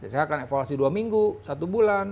saya akan evaluasi dua minggu satu bulan